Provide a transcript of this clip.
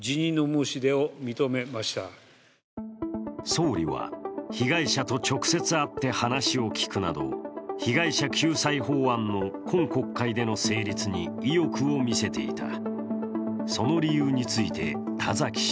総理は、被害者と直接会って話を聞くなど被害者救済法案の今国会での成立に意欲を見せていた。